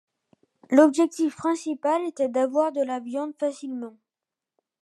L'objectif principal était d'avoir de la viande facilement.